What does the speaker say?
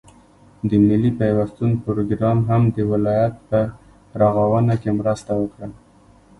د ملي پيوستون پروگرام هم د ولايت په رغاونه كې مرسته وكړه،